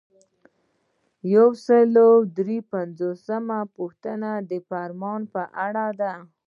یو سل او درې پنځوسمه پوښتنه د فرمان په اړه ده.